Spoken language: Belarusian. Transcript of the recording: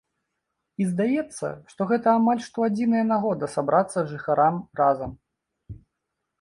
І здаецца, што гэта амаль што адзіная нагода сабрацца жыхарам разам.